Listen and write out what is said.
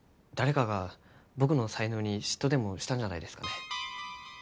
誰かが僕の才能に嫉妬でもしたんじゃないですかね。